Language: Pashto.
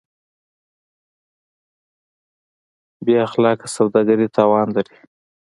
بېاخلاقه سوداګري تاوان لري.